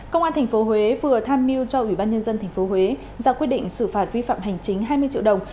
công an tp huế vừa tham mưu cho ủy ban nhân dân tp huế ra quyết định xử phạt vi phạm hành chính hai mươi triệu đồng